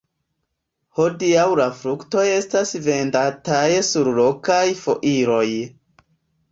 Hodiaŭ la fruktoj estas vendataj sur lokaj foiroj.